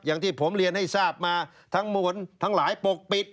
อย่างที่ผมเรียนให้ทราบมาทั้งหมดทั้งหลายปกปิด